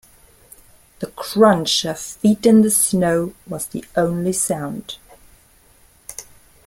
The crunch of feet in the snow was the only sound.